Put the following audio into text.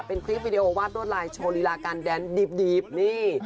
เป็นคลิปวีดีโอวาดโน้นไลน์โชว์ฤลาการแดนส์ดีบนี่